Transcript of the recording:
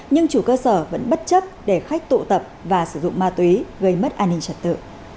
nhưng chủ cơ sở vẫn bất chấp để khách tụ tập và sử dụng ma túy gây mất an ninh trật tự